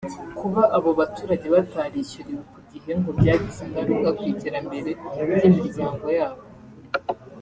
Kuba abo baturage batarishyuriwe ku gihe ngo byagize ingaruka ku iterambere ry’imiryango yabo